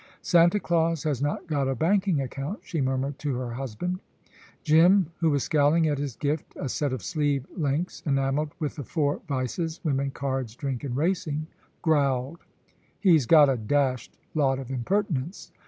"Santa Claus has not got a banking account," she murmured to her husband. Jim, who was scowling at his gift, a set of sleeve links enamelled with the four vices women, cards, drink, and racing, growled. "He's got a dashed lot of impertinence.